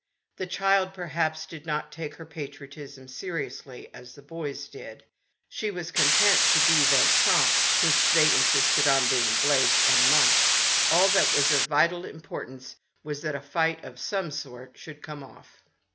The child, perhaps, did not take her patriotism seriously, as the boys did ; she was content to be Van Tromp, since they insisted on being Blake and Monk. All that was of vital importance was that a fight of some sort should come off.